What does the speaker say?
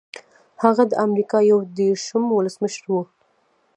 هغه د امریکا یو دېرشم ولسمشر و.